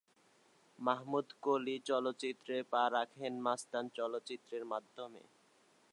মাহমুদ কলি চলচ্চিত্রে পা রাখেন মাস্তান চলচ্চিত্রের মাধ্যমে।